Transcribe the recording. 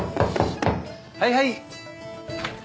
はいはい！